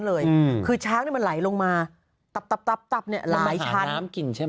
เลยอืมคือช้างนี่มันไหลลงมาตับเนี่ยหลายชั้นมันมาหาน้ำกลิ่นใช่ไหม